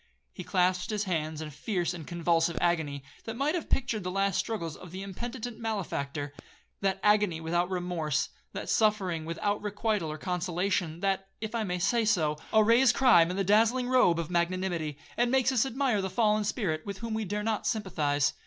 He clasped his hands with a fierce and convulsive agony, that might have pictured the last struggles of the impenitent malefactor,—that agony without remorse, that suffering without requital or consolation, that, if I may say so, arrays crime in the dazzling robe of magnanimity, and makes us admire the fallen spirit, with whom we dare not sympathize.